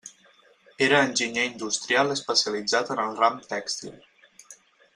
Era enginyer industrial especialitzat en el ram tèxtil.